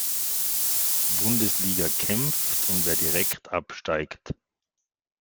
Bundesliga kämpft und wer direkt absteigt.